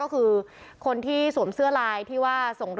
คุณพ่อคุณว่าไง